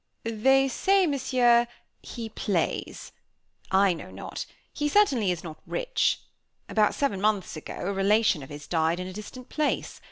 "They say, Monsieur, he plays. I know not. He certainly is not rich. About seven months ago, a relation of his died in a distant place.